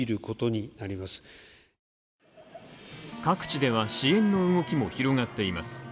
各地では支援の動きも広がっています。